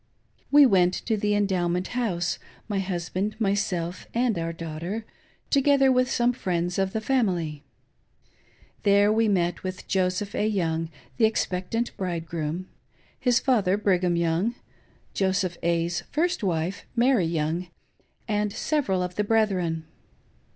We went to the Endowment House — my husband, myself, and our daughter, together with some friends oi the family. There we met with Joseph A. Young, the expectant bridei groom ; his father, Brigham Young ; Joseph A,'s first wife—, Mary Young ; and several of the brethren.